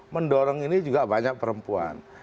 mendorong ini juga banyak perempuan